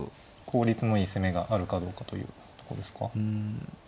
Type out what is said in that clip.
効率のいい攻めがあるかどうかというとこですか。